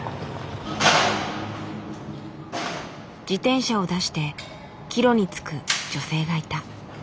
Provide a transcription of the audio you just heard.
自転車を出して帰路につく女性がいた。